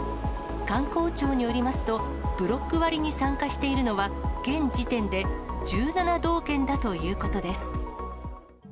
観光庁によりますと、ブロック割に参加しているのは、現時点で１７道県だということです。